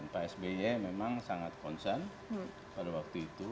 pak sby memang sangat concern pada waktu itu